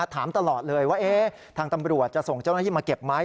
ถามตลอดเลยว่าทางตำรวจจะส่งเจ้าหน้าที่มาเก็บไหม